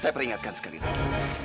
saya peringatkan sekali lagi